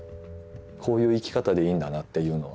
こういう生き方でいいんだなっていうのは。